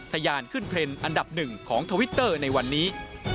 ทยานขึ้นเทรนด์อันดับหนึ่งของทวิตเตอร์ในวันนี้